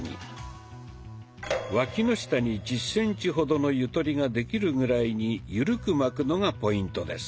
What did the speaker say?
わきの下に１０センチほどのゆとりができるぐらいにゆるく巻くのがポイントです。